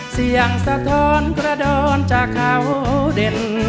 สะท้อนกระดอนจากเขาเด่น